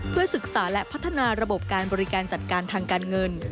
เพื่อศึกษาและพัฒนาระบบการบริการจัดการทางการเงิน